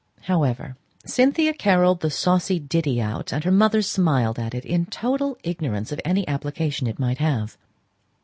However, Cynthia carolled the saucy ditty out, and her mother smiled at it, in total ignorance of any application it might have.